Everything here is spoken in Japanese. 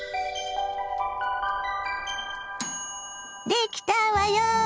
できたわよ！